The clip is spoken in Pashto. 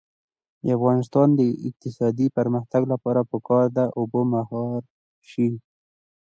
د افغانستان د اقتصادي پرمختګ لپاره پکار ده چې اوبه مهار شي.